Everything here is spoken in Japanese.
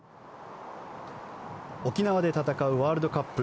沖縄で戦うワールドカップ